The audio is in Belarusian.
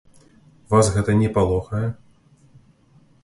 Вас гэта не палохае?